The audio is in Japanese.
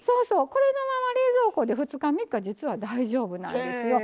これのまま冷蔵庫で２３日実は大丈夫なんですよ。